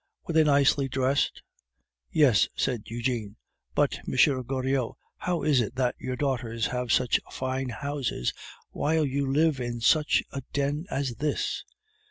Were they nicely dressed?" "Yes," said Eugene. "But, M. Goriot, how is it that your daughters have such fine houses, while you live in such a den as this?"